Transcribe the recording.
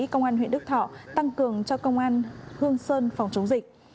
công an huyện đức thọ tăng cường cho công an hương sơn phòng chống dịch